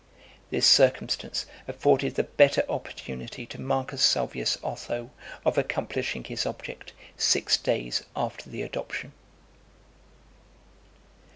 This circumstance afforded the better opportunity to Marcus Salvius Otho of accomplishing his object, six days after the adoption.